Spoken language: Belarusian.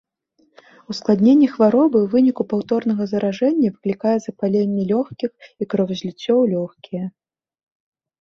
Ускладненне хваробы ў выніку паўторнага заражэння выклікае запаленне лёгкіх і кровазліццё ў лёгкія.